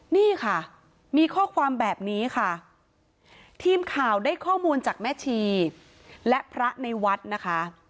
นี่ค่ะมีข้อความแบบนี้ค่ะทีมข่าวได้ข้อมูลจากแม่ชีและพระในวัดนะคะ